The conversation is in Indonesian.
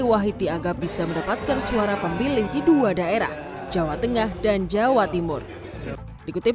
wahid dianggap bisa mendapatkan suara pemilih di dua daerah jawa tengah dan jawa timur dikutip